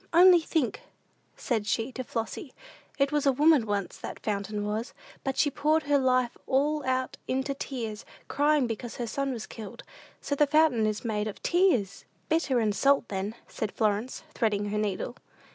"Only think," said she to Flossy; "it was a woman once, that fountain was; but she poured her life all out into tears, crying because her son was killed. So the fountain is made of tears!" "Bitter and salt, then," said Florence, threading her needle.